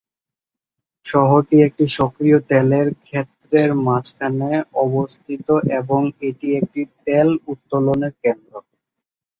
শহরটি একটি সক্রিয় তেলের ক্ষেত্রের মাঝখানে অবস্থিত এবং এটি একটি তেল উত্তোলনের কেন্দ্র।